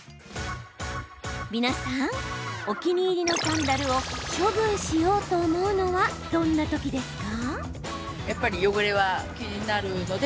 皆さん、お気に入りのサンダル処分しようと思うのはどんな時ですか？